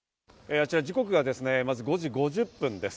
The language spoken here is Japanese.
あちら、時刻が５時５０分です。